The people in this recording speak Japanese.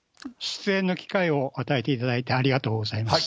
出演の機会を与えていただいて、ありがとうございます。